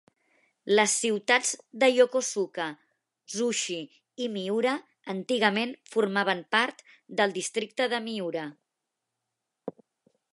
Les ciutats de Yokosuka, Zushi i Miura antigament formaven part del districte de Miura.